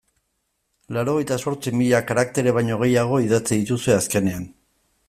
Laurogeita zortzi mila karaktere baino gehiago idatzi dituzue azkenean.